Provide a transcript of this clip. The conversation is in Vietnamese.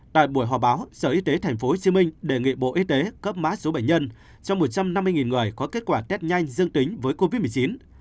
tại buổi họp báo sở y tế tp hcm đề nghị bộ y tế cấp mã số bệnh nhân cho một trăm năm mươi người có kết quả test nhanh dương tính với covid một mươi chín